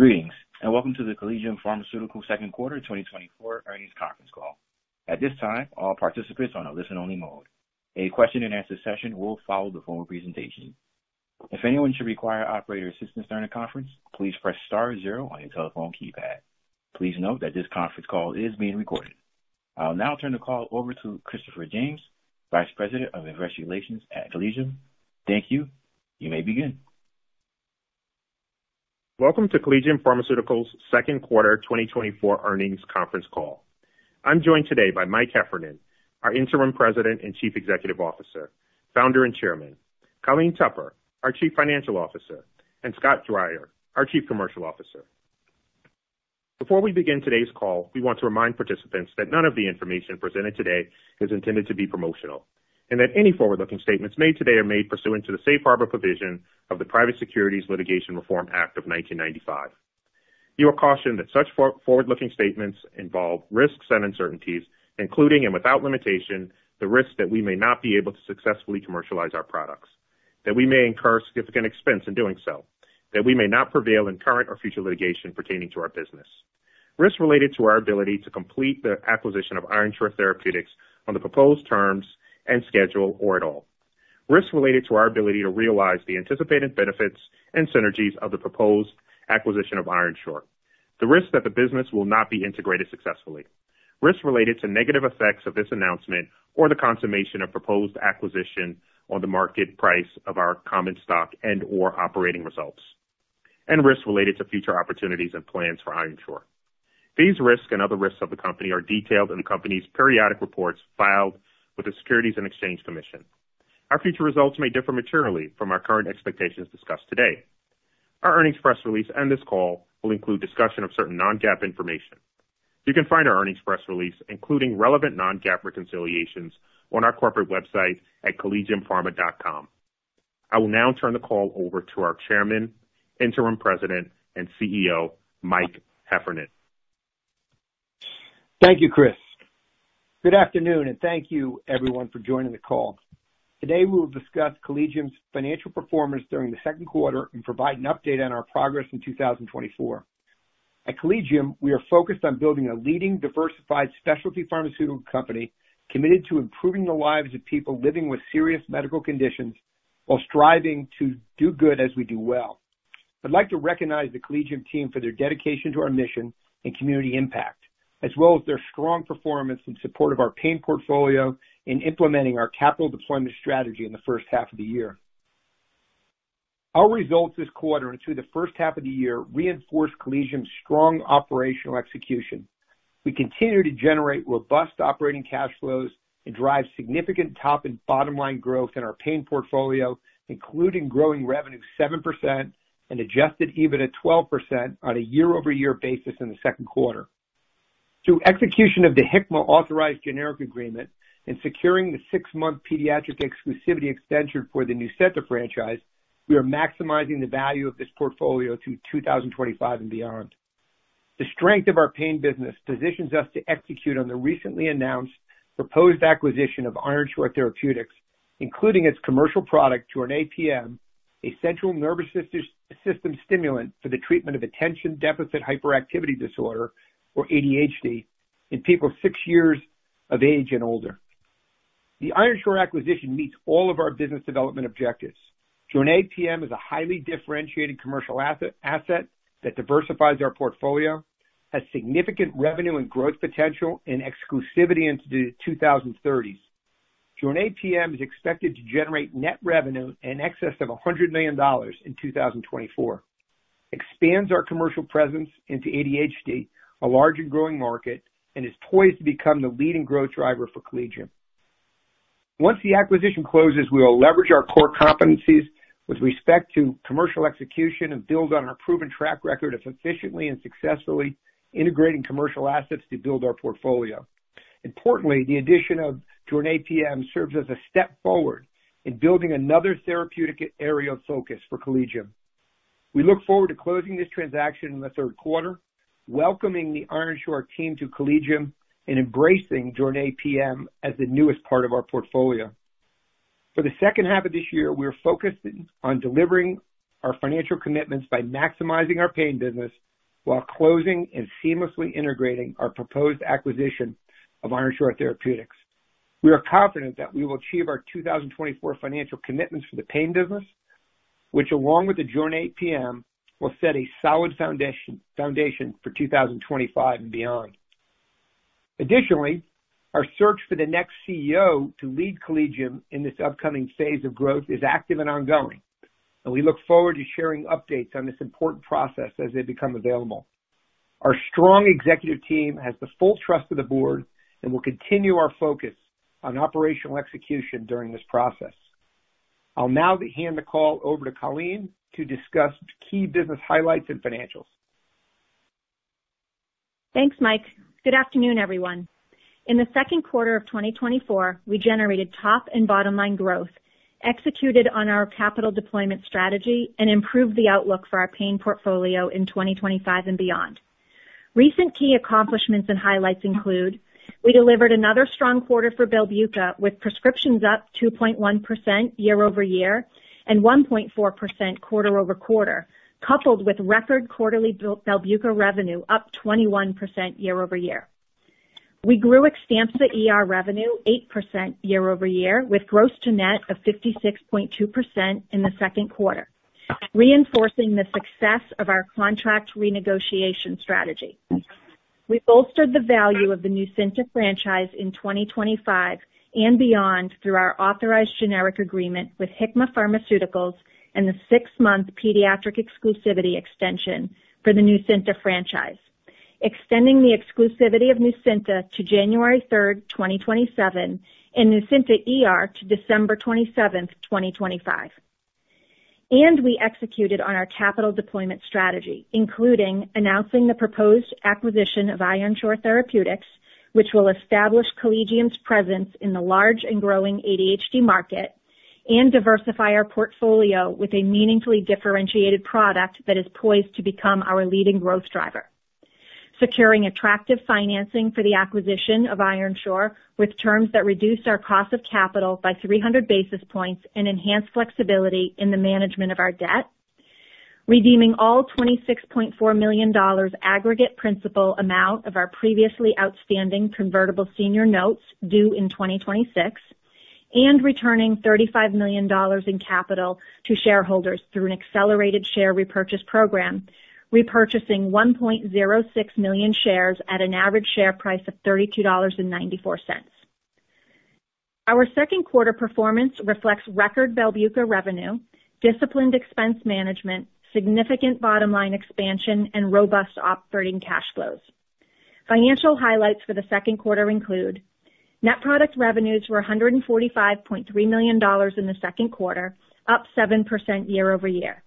Greetings, and welcome to the Collegium Pharmaceutical second quarter 2024 earnings conference call. At this time, all participants are on a listen-only mode. A question and answer session will follow the formal presentation. If anyone should require operator assistance during the conference, please press star zero on your telephone keypad. Please note that this conference call is being recorded. I'll now turn the call over to Christopher James, Vice President of Investor Relations at Collegium. Thank you. You may begin. Welcome to Collegium Pharmaceutical's' second quarter 2024 earnings conference call. I'm joined today by Mike Heffernan, our Interim President and Chief Executive Officer, Founder, and Chairman, Colleen Tupper, our Chief Financial Officer, and Scott Dwyer, our Chief Commercial Officer. Before we begin today's call, we want to remind participants that none of the information presented today is intended to be promotional, and that any forward-looking statements made today are made pursuant to the safe harbor provision of the Private Securities Litigation Reform Act of 1995. You are cautioned that such forward-looking statements involve risks and uncertainties, including and without limitation, the risk that we may not be able to successfully commercialize our products, that we may incur significant expense in doing so, that we may not prevail in current or future litigation pertaining to our business. Risk related to our ability to complete the acquisition of Ironshore Therapeutics on the proposed terms and schedule or at all. Risk related to our ability to realize the anticipated benefits and synergies of the proposed acquisition of Ironshore. The risk that the business will not be integrated successfully. Risk related to negative effects of this announcement or the consummation of proposed acquisition on the market price of our common stock and/or operating results, and risks related to future opportunities and plans for Ironshore. These risks and other risks of the company are detailed in the company's periodic reports filed with the Securities and Exchange Commission. Our future results may differ materially from our current expectations discussed today. Our earnings press release and this call will include discussion of certain non-GAAP information. You can find our earnings press release, including relevant non-GAAP reconciliations, on our corporate website at collegiumpharma.com. I will now turn the call over to our Chairman, Interim President, and CEO, Mike Heffernan. Thank you, Chris. Good afternoon, and thank you, everyone, for joining the call. Today, we will discuss Collegium's financial performance during the second quarter and provide an update on our progress in 2024. At Collegium, we are focused on building a leading, diversified specialty pharmaceutical company committed to improving the lives of people living with serious medical conditions while striving to do good as we do well. I'd like to recognize the Collegium team for their dedication to our mission and community impact, as well as their strong performance in support of our pain portfolio in implementing our capital deployment strategy in the first half of the year. Our results this quarter and through the first half of the year reinforce Collegium's strong operational execution. We continue to generate robust operating cash flows and drive significant top and bottom line growth in our pain portfolio, including growing revenue 7% and adjusted EBITDA 12% on a year-over-year basis in the second quarter. Through execution of the Hikma authorized generic agreement and securing the 6-month pediatric exclusivity extension for the NUCYNTA franchise, we are maximizing the value of this portfolio through 2025 and beyond. The strength of our pain business positions us to execute on the recently announced proposed acquisition of Ironshore Therapeutics, including its commercial product, JORNAY PM, a central nervous system stimulant for the treatment of attention deficit hyperactivity disorder, or ADHD, in people 6 years of age and older. The Ironshore acquisition meets all of our business development objectives. JORNAY PM is a highly differentiated commercial asset that diversifies our portfolio, has significant revenue and growth potential and exclusivity into the 2030s. JORNAY PM is expected to generate net revenue in excess of $100 million in 2024, expands our commercial presence into ADHD, a large and growing market, and is poised to become the leading growth driver for Collegium. Once the acquisition closes, we will leverage our core competencies with respect to commercial execution and build on our proven track record of efficiently and successfully integrating commercial assets to build our portfolio. Importantly, the addition of JORNAY PM serves as a step forward in building another therapeutic area of focus for Collegium. We look forward to closing this transaction in the third quarter, welcoming the Ironshore team to Collegium, and embracing JORNAY PM as the newest part of our portfolio. For the second half of this year, we are focused on delivering our financial commitments by maximizing our pain business while closing and seamlessly integrating our proposed acquisition of Ironshore Therapeutics. We are confident that we will achieve our 2024 financial commitments for the pain business, which, along with the JORNAY PM, will set a solid foundation for 2025 and beyond. Additionally, our search for the next CEO to lead Collegium in this upcoming phase of growth is active and ongoing, and we look forward to sharing updates on this important process as they become available. Our strong executive team has the full trust of the board and will continue our focus on operational execution during this process. I'll now hand the call over to Colleen to discuss key business highlights and financials. Thanks, Mike. Good afternoon, everyone. In the second quarter of 2024, we generated top and bottom line growth, executed on our capital deployment strategy, and improved the outlook for our pain portfolio in 2025 and beyond. Recent key accomplishments and highlights include: we delivered another strong quarter for BELBUCA, with prescriptions up 2.1% year-over-year and 1.4% quarter-over-quarter, coupled with record quarterly BELBUCA revenue up 21% year-over-year. We grew XTAMPZA ER revenue 8% year-over-year, with gross to net of 56.2% in the second quarter, reinforcing the success of our contract renegotiation strategy. We bolstered the value of the NUCYNTA franchise in 2025 and beyond through our authorized generic agreement with Hikma Pharmaceuticals and the 6-month pediatric exclusivity extension for the NUCYNTA franchise, extending the exclusivity of NUCYNTA to January 3, 2027, and NUCYNTA ER to December 27, 2025. We executed on our capital deployment strategy, including announcing the proposed acquisition of Ironshore Therapeutics, which will establish Collegium's presence in the large and growing ADHD market and diversify our portfolio with a meaningfully differentiated product that is poised to become our leading growth driver, securing attractive financing for the acquisition of Ironshore, with terms that reduced our cost of capital by 300 basis points and enhanced flexibility in the management of our debt. Redeeming all $26.4 million aggregate principal amount of our previously outstanding convertible senior notes due in 2026, and returning $35 million in capital to shareholders through an accelerated share repurchase program, repurchasing 1.06 million shares at an average share price of $32.94. Our second quarter performance reflects record BELBUCA revenue, disciplined expense management, significant bottom line expansion, and robust operating cash flows. Financial highlights for the second quarter include net product revenues were $145.3 million in the second quarter, up 7% year-over-year.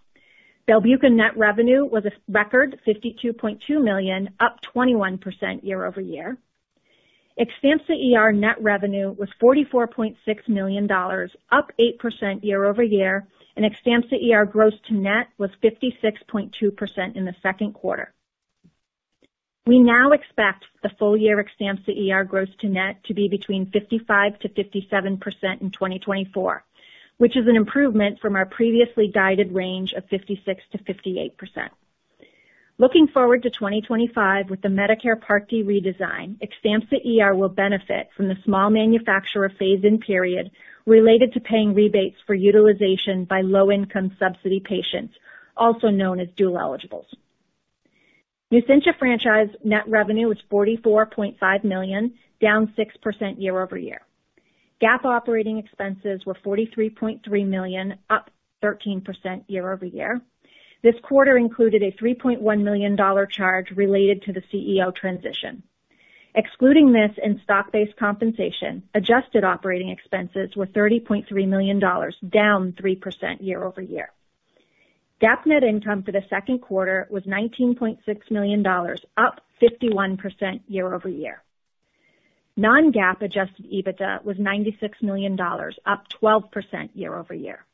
BELBUCA net revenue was a record $52.2 million, up 21% year-over-year. XTAMPZA ER net revenue was $44.6 million, up 8% year-over-year, and XTAMPZA ER gross to net was 56.2% in the second quarter. We now expect the full year XTAMPZA ER gross to net to be between 55%-57% in 2024, which is an improvement from our previously guided range of 56%-58%. Looking forward to 2025 with the Medicare Part D redesign, XTAMPZA ER will benefit from the small manufacturer phase-in period related to paying rebates for utilization by low-income subsidy patients, also known as dual eligibles. NUCYNTA franchise net revenue was $44.5 million, down 6% year-over-year. GAAP operating expenses were $43.3 million, up 13% year-over-year. This quarter included a $3.1 million dollar charge related to the CEO transition. Excluding this and stock-based compensation, adjusted operating expenses were $30.3 million dollars, down 3% year-over-year. GAAP net income for the second quarter was $19.6 million, up 51% year-over-year. Non-GAAP adjusted EBITDA was $96 million, up 12% year-over-year.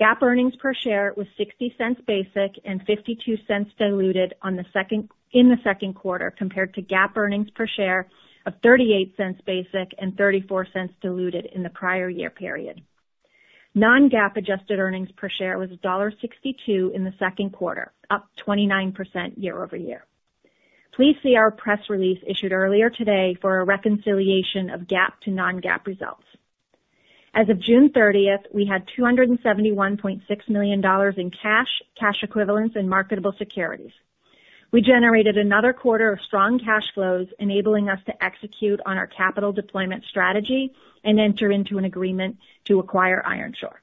GAAP earnings per share was $0.60 basic and $0.52 diluted in the second quarter, compared to GAAP earnings per share of $0.38 basic and $0.34 diluted in the prior year period. Non-GAAP adjusted earnings per share was $1.62 in the second quarter, up 29% year-over-year. Please see our press release issued earlier today for a reconciliation of GAAP to non-GAAP results. As of June thirtieth, we had $271.6 million in cash, cash equivalents, and marketable securities. We generated another quarter of strong cash flows, enabling us to execute on our capital deployment strategy and enter into an agreement to acquire Ironshore.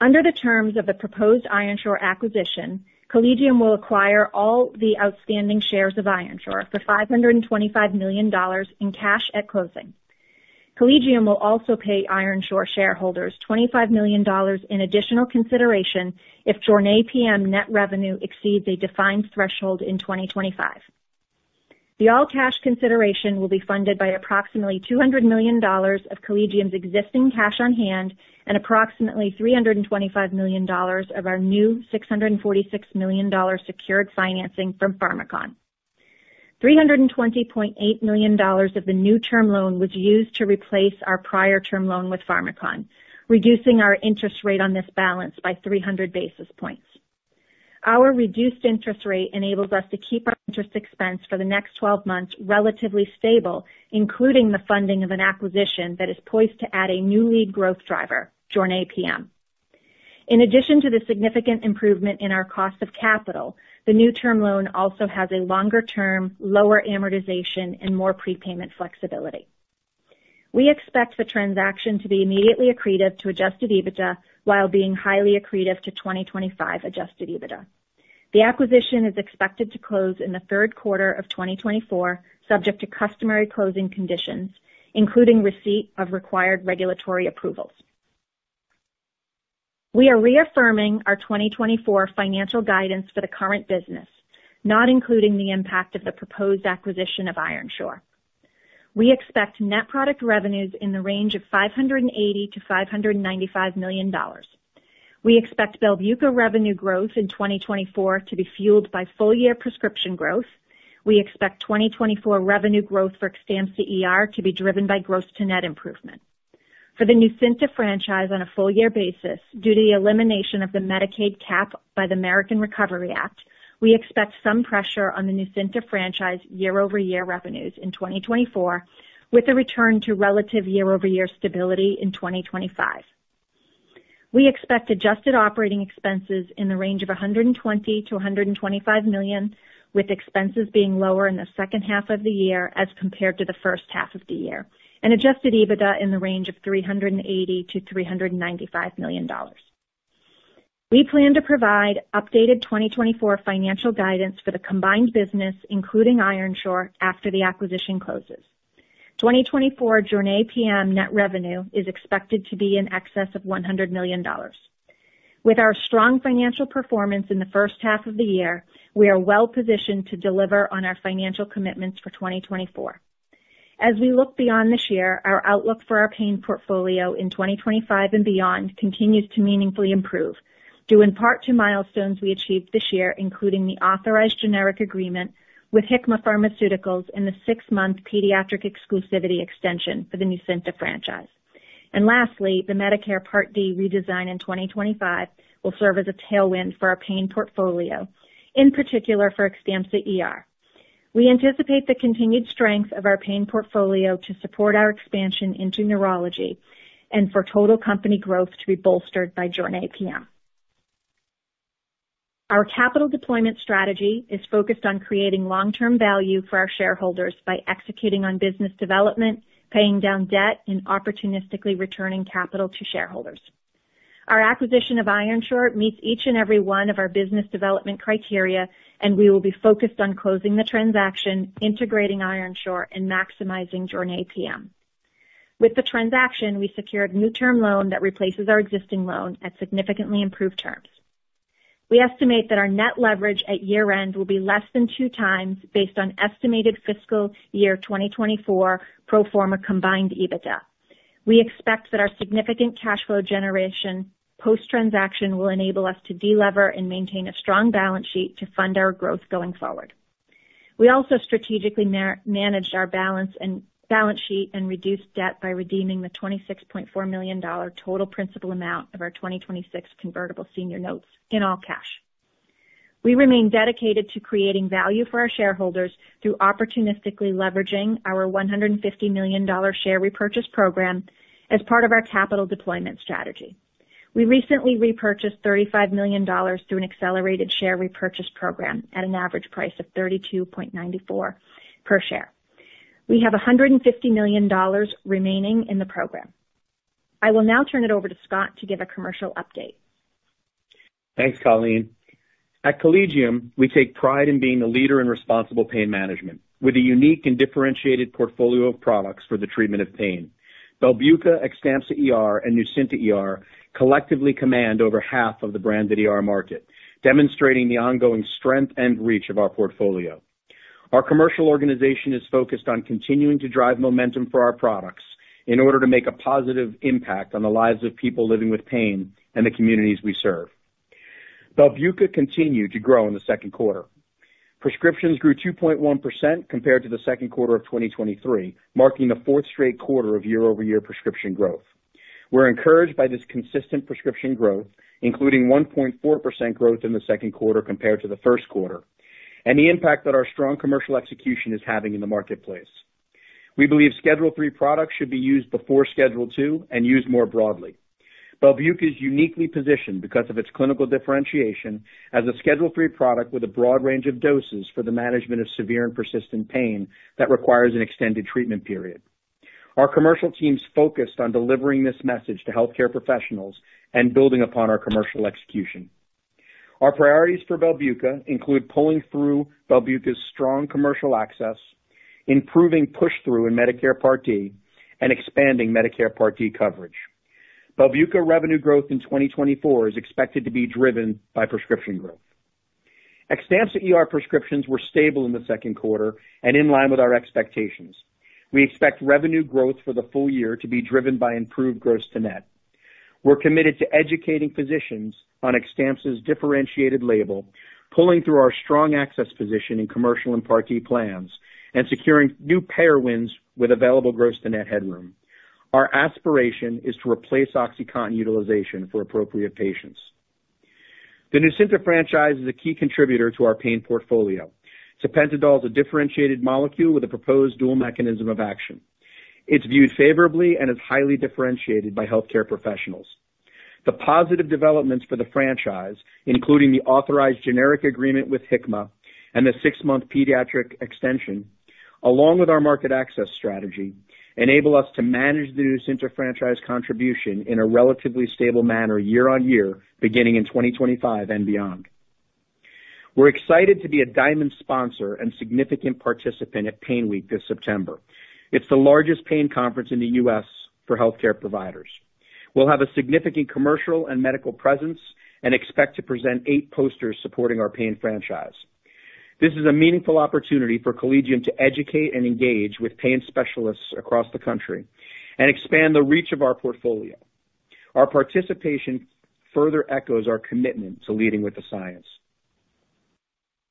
Under the terms of the proposed Ironshore acquisition, Collegium will acquire all the outstanding shares of Ironshore for $525 million in cash at closing. Collegium will also pay Ironshore shareholders $25 million in additional consideration if JORNAY PM net revenue exceeds a defined threshold in 2025. The all-cash consideration will be funded by approximately $200 million of Collegium's existing cash on hand and approximately $325 million of our new $646 million secured financing from Pharmakon. $320.8 million of the new term loan was used to replace our prior term loan with Pharmakon, reducing our interest rate on this balance by 300 basis points. Our reduced interest rate enables us to keep our interest expense for the next 12 months relatively stable, including the funding of an acquisition that is poised to add a new lead growth driver, JORNAY PM. In addition to the significant improvement in our cost of capital, the new term loan also has a longer term, lower amortization, and more prepayment flexibility. We expect the transaction to be immediately accretive to Adjusted EBITDA, while being highly accretive to 2025 Adjusted EBITDA. The acquisition is expected to close in the third quarter of 2024, subject to customary closing conditions, including receipt of required regulatory approvals. We are reaffirming our 2024 financial guidance for the current business, not including the impact of the proposed acquisition of Ironshore. We expect net product revenues in the range of $580 million-$595 million. We expect BELBUCA revenue growth in 2024 to be fueled by full-year prescription growth. We expect 2024 revenue growth for XTAMPZA ER to be driven by gross to net improvement. For the NUCYNTA franchise on a full year basis, due to the elimination of the Medicaid cap by the American Recovery Act, we expect some pressure on the NUCYNTA franchise year-over-year revenues in 2024, with a return to relative year-over-year stability in 2025. We expect adjusted operating expenses in the range of $120 million-$125 million, with expenses being lower in the second half of the year as compared to the first half of the year, and adjusted EBITDA in the range of $380 million-$395 million. We plan to provide updated 2024 financial guidance for the combined business, including Ironshore, after the acquisition closes. 2024 JORNAY PM net revenue is expected to be in excess of $100 million. With our strong financial performance in the first half of the year, we are well positioned to deliver on our financial commitments for 2024. As we look beyond this year, our outlook for our pain portfolio in 2025 and beyond continues to meaningfully improve, due in part to milestones we achieved this year, including the authorized generic agreement with Hikma Pharmaceuticals and the six-month pediatric exclusivity extension for the NUCYNTA franchise. And lastly, the Medicare Part D redesign in 2025 will serve as a tailwind for our pain portfolio, in particular for XTAMPZA ER. We anticipate the continued strength of our pain portfolio to support our expansion into neurology and for total company growth to be bolstered by JORNAY PM. Our capital deployment strategy is focused on creating long-term value for our shareholders by executing on business development, paying down debt, and opportunistically returning capital to shareholders. Our acquisition of Ironshore meets each and every one of our business development criteria, and we will be focused on closing the transaction, integrating Ironshore, and maximizing JORNAY PM. With the transaction, we secured a new term loan that replaces our existing loan at significantly improved terms. We estimate that our net leverage at year-end will be less than 2 times based on estimated fiscal year 2024 pro forma combined EBITDA. We expect that our significant cash flow generation post-transaction will enable us to delever and maintain a strong balance sheet to fund our growth going forward. We also strategically managed our balance sheet and reduced debt by redeeming the $26.4 million total principal amount of our 2026 convertible senior notes in all cash. We remain dedicated to creating value for our shareholders through opportunistically leveraging our $150 million share repurchase program as part of our capital deployment strategy. We recently repurchased $35 million through an accelerated share repurchase program at an average price of $32.94 per share. We have $150 million remaining in the program. I will now turn it over to Scott to give a commercial update. Thanks, Colleen. At Collegium, we take pride in being a leader in responsible pain management, with a unique and differentiated portfolio of products for the treatment of pain. BELBUCA, XTAMPZA ER, and NUCYNTA ER collectively command over half of the branded ER market, demonstrating the ongoing strength and reach of our portfolio. Our commercial organization is focused on continuing to drive momentum for our products in order to make a positive impact on the lives of people living with pain and the communities we serve. BELBUCA continued to grow in the second quarter. Prescriptions grew 2.1% compared to the second quarter of 2023, marking the fourth straight quarter of year-over-year prescription growth. We're encouraged by this consistent prescription growth, including 1.4% growth in the second quarter compared to the first quarter, and the impact that our strong commercial execution is having in the marketplace. We believe Schedule III products should be used before Schedule II and used more broadly. BELBUCA is uniquely positioned because of its clinical differentiation as a Schedule III product with a broad range of doses for the management of severe and persistent pain that requires an extended treatment period. Our commercial teams focused on delivering this message to healthcare professionals and building upon our commercial execution. Our priorities for BELBUCA include pulling through BELBUCA's strong commercial access, improving push-through in Medicare Part D, and expanding Medicare Part D coverage. BELBUCA revenue growth in 2024 is expected to be driven by prescription growth. XTAMPZA ER prescriptions were stable in the second quarter and in line with our expectations. We expect revenue growth for the full year to be driven by improved gross to net. We're committed to educating physicians on XTAMPZA's differentiated label, pulling through our strong access position in commercial and Part D plans, and securing new payer wins with available gross to net headroom. Our aspiration is to replace OxyContin utilization for appropriate patients. The NUCYNTA franchise is a key contributor to our pain portfolio. Tapentadol is a differentiated molecule with a proposed dual mechanism of action. It's viewed favorably and is highly differentiated by healthcare professionals. The positive developments for the franchise, including the authorized generic agreement with Hikma and the six-month pediatric extension, along with our market access strategy, enable us to manage the NUCYNTA franchise contribution in a relatively stable manner year on year, beginning in 2025 and beyond. We're excited to be a diamond sponsor and significant participant at PAINWeek this September. It's the largest pain conference in the U.S. for healthcare providers. We'll have a significant commercial and medical presence and expect to present eight posters supporting our pain franchise. This is a meaningful opportunity for Collegium to educate and engage with pain specialists across the country and expand the reach of our portfolio. Our participation further echoes our commitment to leading with the science.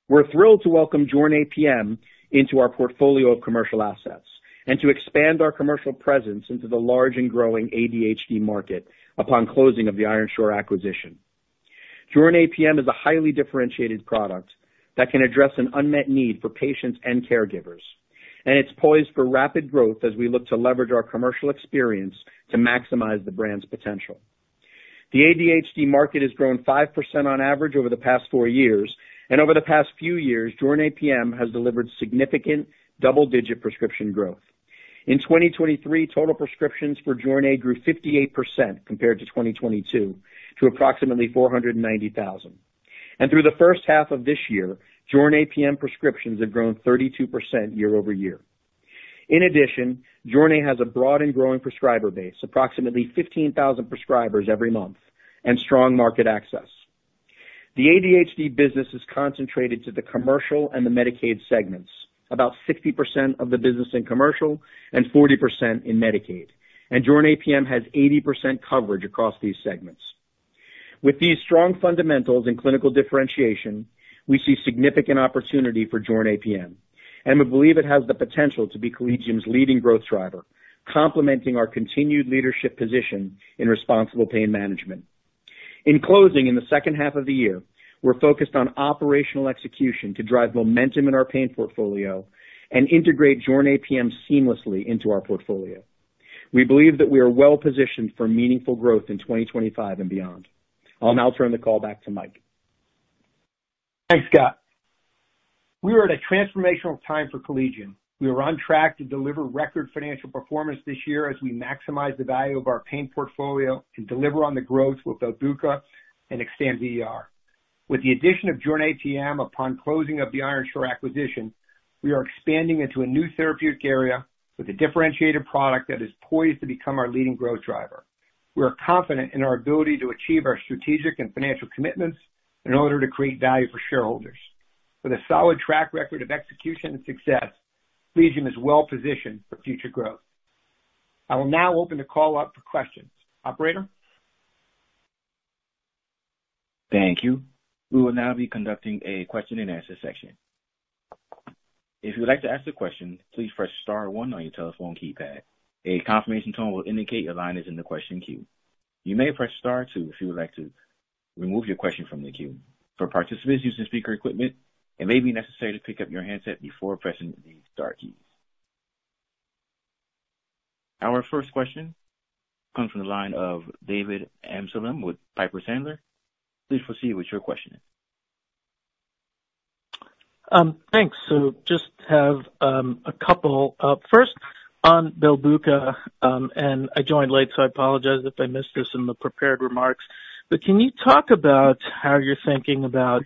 We're thrilled to welcome JORNAY PM into our portfolio of commercial assets, and to expand our commercial presence into the large and growing ADHD market upon closing of the Ironshore acquisition. JORNAY PM is a highly differentiated product that can address an unmet need for patients and caregivers, and it's poised for rapid growth as we look to leverage our commercial experience to maximize the brand's potential. The ADHD market has grown 5% on average over the past four years, and over the past few years, JORNAY PM has delivered significant double-digit prescription growth. In 2023, total prescriptions for JORNAY PM grew 58% compared to 2022, to approximately 490,000. And through the first half of this year, JORNAY PM prescriptions have grown 32% year-over-year. In addition, Jornay PM has a broad and growing prescriber base, approximately 15,000 prescribers every month, and strong market access. The ADHD business is concentrated to the commercial and the Medicaid segments, about 60% of the business in commercial and 40% in Medicaid, and JORNAY PM has 80% coverage across these segments. With these strong fundamentals and clinical differentiation, we see significant opportunity for JORNAY PM, and we believe it has the potential to be Collegium's leading growth driver, complementing our continued leadership position in responsible pain management. In closing, in the second half of the year, we're focused on operational execution to drive momentum in our pain portfolio and integrate JORNAY PM seamlessly into our portfolio. We believe that we are well positioned for meaningful growth in 2025 and beyond. I'll now turn the call back to Mike. Thanks, Scott. We are at a transformational time for Collegium. We are on track to deliver record financial performance this year as we maximize the value of our pain portfolio and deliver on the growth with BELBUCA and XTAMPZA ER. With the addition of JORNAY PM upon closing of the Ironshore acquisition, we are expanding into a new therapeutic area with a differentiated product that is poised to become our leading growth driver. We are confident in our ability to achieve our strategic and financial commitments in order to create value for shareholders. With a solid track record of execution and success, Collegium is well positioned for future growth. I will now open the call up for questions. Operator? Thank you. We will now be conducting a question-and-answer section. If you would like to ask a question, please press star one on your telephone keypad. A confirmation tone will indicate your line is in the question queue. You may press star two if you would like to remove your question from the queue. For participants using speaker equipment, it may be necessary to pick up your handset before pressing the star keys. Our first question comes from the line of David Amsellem with Piper Sandler. Please proceed with your question. Thanks. So just have a couple. First, on BELBUCA, and I joined late, so I apologize if I missed this in the prepared remarks. But can you talk about how you're thinking about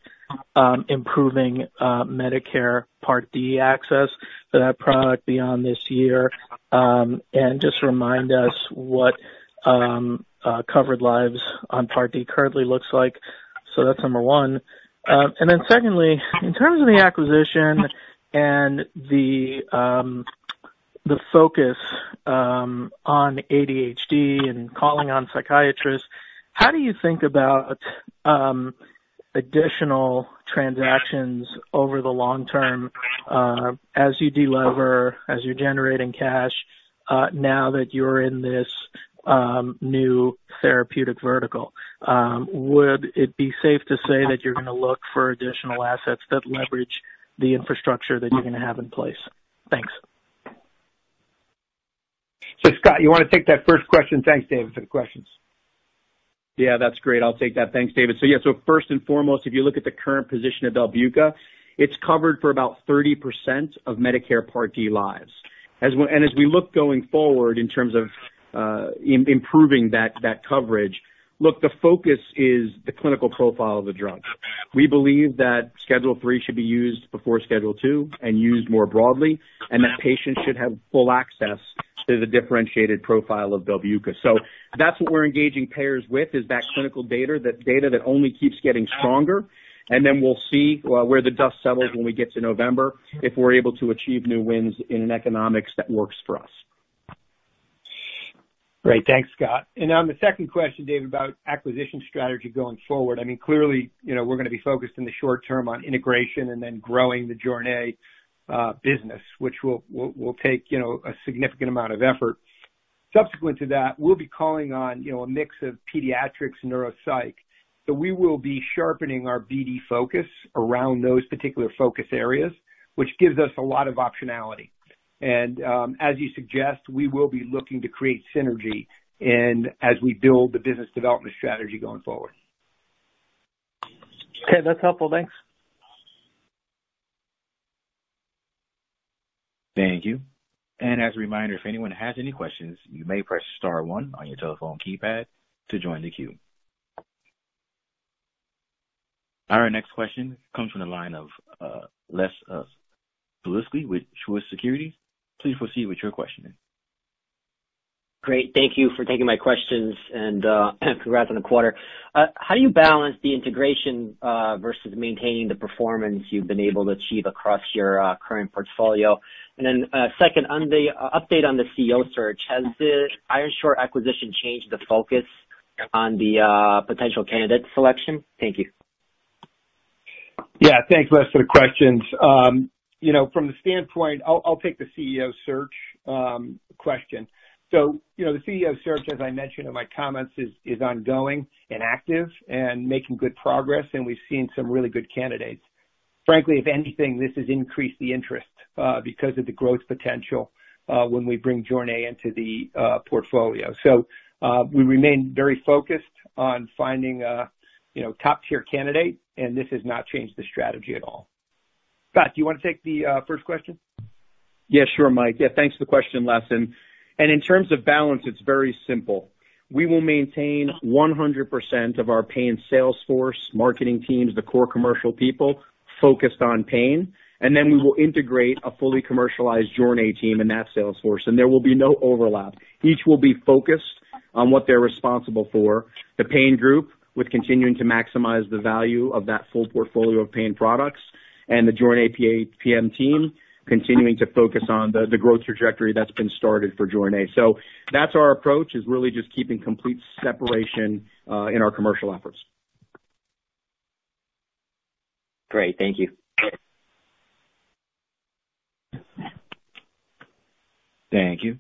improving Medicare Part D access for that product beyond this year? And just remind us what covered lives on Part D currently looks like. So that's number one. And then secondly, in terms of the acquisition and the focus on ADHD and calling on psychiatrists, how do you think about additional transactions over the long term as you delever, as you're generating cash now that you're in this new therapeutic vertical? Would it be safe to say that you're gonna look for additional assets that leverage the infrastructure that you're gonna have in place? Thanks. So, Scott, you want to take that first question? Thanks, David, for the questions. Yeah, that's great. I'll take that. Thanks, David. So yeah, so first and foremost, if you look at the current position of BELBUCA, it's covered for about 30% of Medicare Part D lives. As and as we look going forward in terms of, improving that, that coverage, look, the focus is the clinical profile of the drug. We believe that Schedule III should be used before Schedule II and used more broadly, and that patients should have full access to the differentiated profile of BELBUCA. So that's what we're engaging payers with, is that clinical data, that data that only keeps getting stronger, and then we'll see, where the dust settles when we get to November, if we're able to achieve new wins in an economics that works for us. Great. Thanks, Scott. And on the second question, David, about acquisition strategy going forward. I mean, clearly, you know, we're gonna be focused in the short term on integration and then growing the JORNAY business, which will take, you know, a significant amount of effort. Subsequent to that, we'll be calling on, you know, a mix of pediatrics and neuropsych. So we will be sharpening our BD focus around those particular focus areas, which gives us a lot of optionality. And, as you suggest, we will be looking to create synergy and as we build the business development strategy going forward. Okay, that's helpful. Thanks. Thank you. And as a reminder, if anyone has any questions, you may press star one on your telephone keypad to join the queue. Our next question comes from the line of Les Sulewski with Truist Securities. Please proceed with your question. Great. Thank you for taking my questions and, congrats on the quarter. How do you balance the integration versus maintaining the performance you've been able to achieve across your current portfolio? And then, second, on the update on the CEO search, has the Ironshore acquisition changed the focus on the potential candidate selection? Thank you. Yeah. Thanks, Les, for the questions. You know, from the standpoint... I'll take the CEO search question. So, you know, the CEO search, as I mentioned in my comments, is ongoing and active and making good progress, and we've seen some really good candidates. Frankly, if anything, this has increased the interest because of the growth potential when we bring JORNAY into the portfolio. So, we remain very focused on finding a top-tier candidate, and this has not changed the strategy at all. Scott, do you want to take the first question? Yeah, sure, Mike. Yeah, thanks for the question, Les. In terms of balance, it's very simple. We will maintain 100% of our paying sales force, marketing teams, the core commercial people, focused on pain, and then we will integrate a fully commercialized JORNAY team in that sales force, and there will be no overlap. Each will be focused on what they're responsible for. The pain group, with continuing to maximize the value of that full portfolio of pain products, and the JORNAY PM team, continuing to focus on the growth trajectory that's been started for JORNAY. So that's our approach, is really just keeping complete separation in our commercial efforts. Great. Thank you. Thank you.